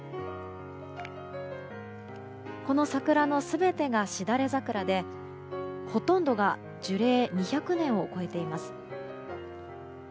この桜の全てがしだれ桜でほとんどが樹齢２００年を超えています。